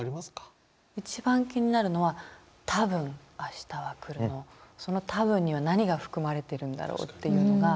一番気になるのは「たぶん明日はくる」のその「たぶん」には何が含まれてるんだろうっていうのが。